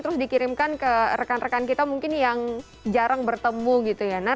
terus dikirimkan ke rekan rekan kita mungkin yang jarang bertemu gitu ya